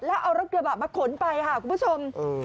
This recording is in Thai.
แล้วเอารถกระบะมาขนไปค่ะคุณผู้ชม